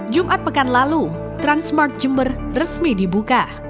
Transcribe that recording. jumat pekan lalu transmart jember resmi dibuka